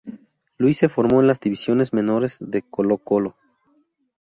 Luis se formó en las divisiones menores de Colo-Colo.